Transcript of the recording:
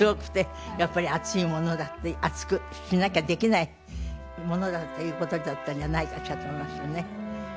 やっぱり熱いものだって熱くしなきゃできないものだっていうことだったんじゃないかしらと思いますけどね。